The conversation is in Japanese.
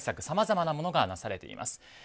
さまざまなものがなされています。